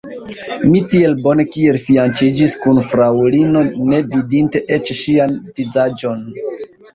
Mi tiel bone kiel fianĉiĝis kun fraŭlino, ne vidinte eĉ ŝian vizaĝon.